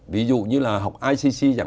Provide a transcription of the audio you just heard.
ví dụ như là học icc